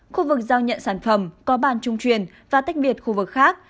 khu vực giao nhận sản phẩm có bàn trung truyền và tách biệt khu vực khác